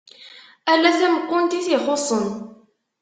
Ala tameqqunt i t-ixuṣṣen.